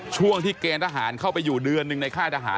ช่วงที่เกณฑ์ทหารเข้าไปอยู่เดือนหนึ่งในค่ายทหาร